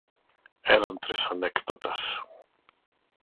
Eran tres anécdotas.